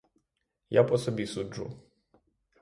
Я по собі суджу.